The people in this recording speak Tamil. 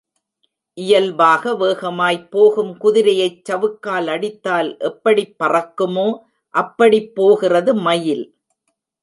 இயல்பாக வேகமாய்ப் போகும் குதிரையைச் சவுக்கால் அடித்தால் எப்படிப் பறக்குமோ அப்படிப் போகிறது மயில்.